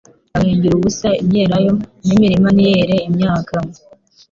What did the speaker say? bagahingira ubusa imyelayo n'imirima ntiyere imyaka,